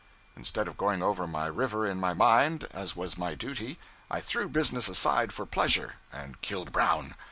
Instead of going over my river in my mind as was my duty, I threw business aside for pleasure, and killed Brown.